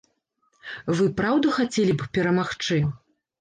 Вы, праўда, хацелі б перамагчы?